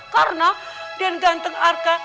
karena dan ganteng arka